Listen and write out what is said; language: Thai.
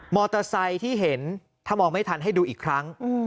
อเตอร์ไซค์ที่เห็นถ้ามองไม่ทันให้ดูอีกครั้ง